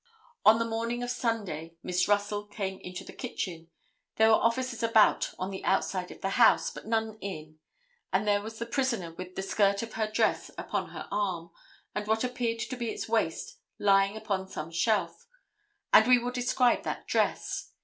On the morning of Sunday Miss Russell came into the kitchen. There were officers about on the outside of the house, but none in, and there was the prisoner with the skirt of her dress upon her arm, and what appeared to be its waist lying upon some shelf, and we will describe that dress.